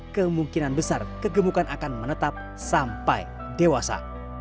kemungkinan besar kegemukan akan menetap sampai dewasa